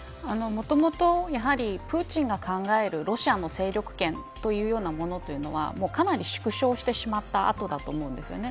もともと、やはりプーチンが考えるロシアの勢力圏というようなものというのはかなり縮小してしまった後だと思うんです。